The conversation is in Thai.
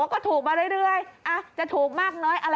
แบบไม่เล่นเยอะ